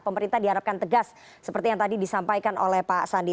pemerintah diharapkan tegas seperti yang tadi disampaikan oleh pak sandi